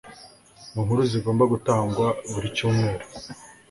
Mu Nkuru zigomba gutangwa buri cyumweru.